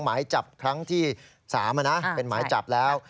หมายจับครั้งที่๓เป็นหมายจับแล้ว